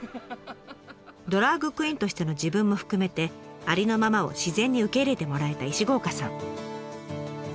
ドラァグクイーンとしての自分も含めてありのままを自然に受け入れてもらえた石郷岡さん。